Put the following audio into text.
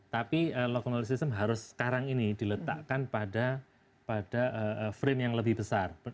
tapi locaonal system harus sekarang ini diletakkan pada frame yang lebih besar